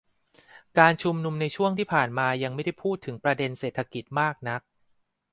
การชุมนุมในช่วงที่ผ่านมายังไม่ได้พูดถึงประเด็นเศรษฐกิจมากนัก